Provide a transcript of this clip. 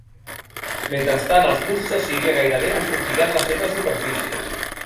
Mentrestant els kurds de Síria gairebé han triplicat la seva superfície.